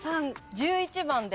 １１番で。